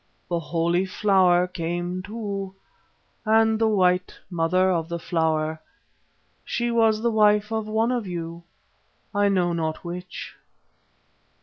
The Holy Flower came too, and the white Mother of the Flower she was the wife of one of you, I know not which."